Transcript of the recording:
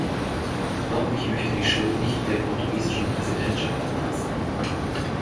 Doch ich möchte die Schuld nicht der portugiesischen Präsidentschaft anlasten.